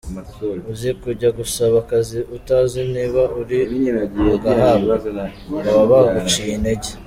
Uzi kujya gusaba akazi utazi niba uri bugahabwe? Baba baguciye intege.